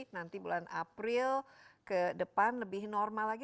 nanti bulan april ke depan lebih normal lagi